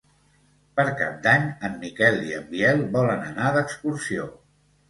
Per Cap d'Any en Miquel i en Biel volen anar d'excursió.